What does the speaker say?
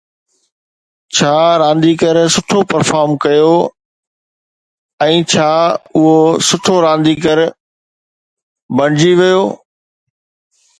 ڇا رانديگر سٺو پرفارم ڪيو ۽ ڇا هو سٺو رانديگر بڻجي ويو